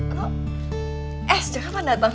kok es juga gak datang